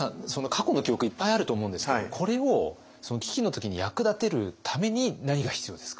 過去の記憶いっぱいあると思うんですけどこれをその危機の時に役立てるために何が必要ですか？